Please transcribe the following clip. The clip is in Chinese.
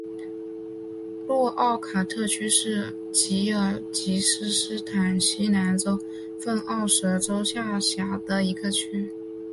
诺奥卡特区是吉尔吉斯斯坦西南州份奥什州下辖的一个区。